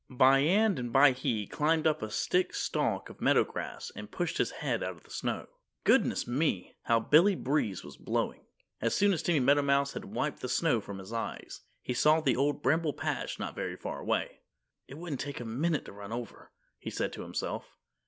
By and by he climbed up a stiff stalk of meadowgrass and pushed his head out of the snow. Goodness me! How Billy Breeze was blowing! As soon as Timmy Meadowmouse had wiped the snow from his eyes, he saw the Old Bramble Patch not very far away. "It wouldn't take a minute to run over," he said to himself.